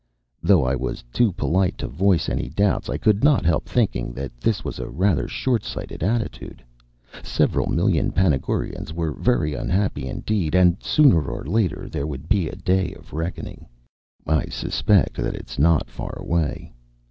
Though I was too polite to voice any doubts, I could not help think ing that this "was a rather short sighted attitude. Several million Panagurans were very unhappy in deed, and sooner or later there would be a day of reckoning. I suspect that it's not far away.